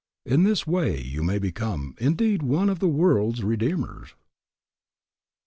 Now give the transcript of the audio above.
In this way you may become, indeed, one of the world's redeemers.